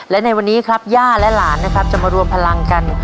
และในวันนี้ครับย่าและหลานนะครับจะมารวมพลังกัน